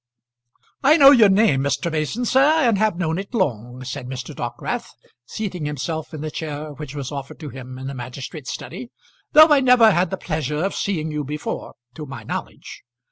"I know your name, Mr. Mason, sir, and have known it long," said Mr. Dockwrath, seating himself in the chair which was offered to him in the magistrate's study; "though I never had the pleasure of seeing you before, to my knowledge.